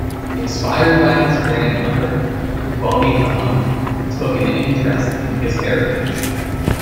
Inspired by his grandmother, Bonython took an interest in his heritage.